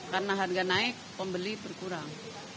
karena harga naik pembeli berkurang